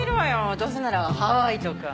どうせならハワイとか。